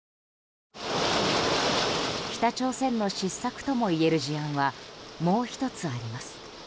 北朝鮮の失策ともいえる事案はもう１つあります。